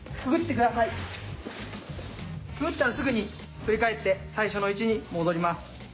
くぐったらすぐに振り返って最初の位置に戻ります。